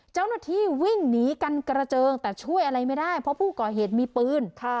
เจ้าหน้าที่วิ่งหนีกันกระเจิงแต่ช่วยอะไรไม่ได้เพราะผู้ก่อเหตุมีปืน